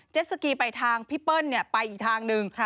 เจ็ดสกีไปทางพี่เปิ้ลเนี่ยไปอีกทางหนึ่ง